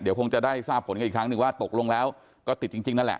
เดี๋ยวคงจะได้ทราบผลกันอีกครั้งหนึ่งว่าตกลงแล้วก็ติดจริงนั่นแหละ